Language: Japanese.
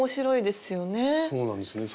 そうなんですよね。